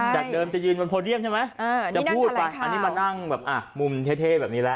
อย่างเดิมจะยืนบนโพเดียมใช่ไหมจะพูดไปอันนี้มานั่งมุมเท่แบบนี้แหละ